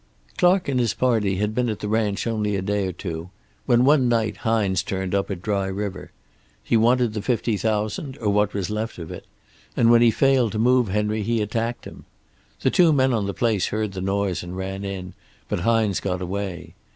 "Clark and his party had been at the ranch only a day or two when one night Hines turned up at Dry River. He wanted the fifty thousand, or what was left of it, and when he failed to move Henry he attacked him. The two men on the place heard the noise and ran in, but Hines got away.